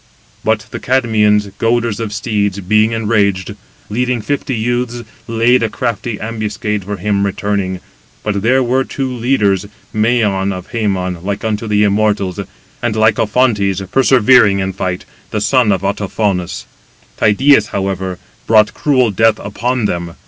But the Cadmeans, goaders of steeds, being enraged, leading fifty youths, laid a crafty ambuscade for him returning: but there were two leaders, Mæon, son of Hæmon, like unto the immortals, and Lycophontes, persevering in fight, the son of Autophonus. Tydeus, however, brought cruel death upon them.